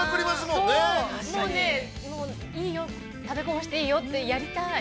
◆もうね、いいよ、食べこぼしていいよって、やりたい！